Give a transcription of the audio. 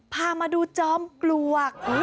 พามาดูจอมปลวก